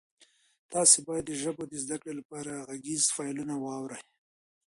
تاسي باید د ژبو د زده کړې لپاره غږیز فایلونه واورئ.